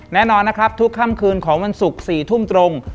แน่นอนนะครับทุกค่ำคืนของวันศุกร์๔ทุ่มตรง